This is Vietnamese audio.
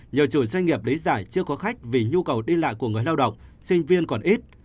nhờ chủ doanh nghiệp lý giải chưa có khách vì nhu cầu đi lại của người lao động sinh viên còn ít